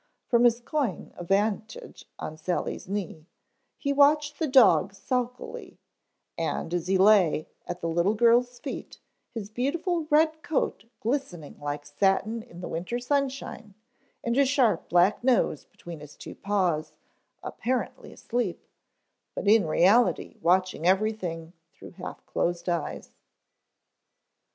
From his coign of vantage on Sally's knee he watched the dog sulkily, as he lay at the little girl's feet, his beautiful red coat glistening like satin in the winter sunshine and his sharp, black nose between his two paws, apparently asleep, but in reality watching everything through half closed eyelids.